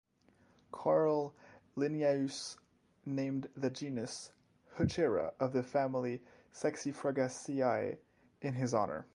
Carl Linnaeus named the genus "Heuchera" of the family Saxifragaceae in his honor.